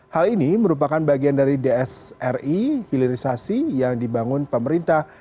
hal ini merupakan bagian dari dsri hilirisasi yang dibangun pemerintah